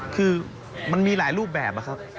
คือมันมีหลายรูปแบบนะครับ